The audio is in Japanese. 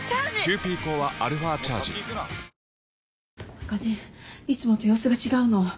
何かねいつもと様子が違うの。